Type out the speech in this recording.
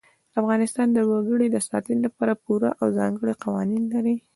افغانستان د وګړي د ساتنې لپاره پوره او ځانګړي قوانین لري.